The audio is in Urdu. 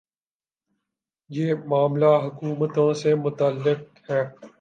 یہ معاملہ حکومتوں سے متعلق ہے۔